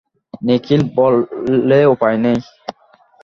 নিখিল বললে উপায় নেই।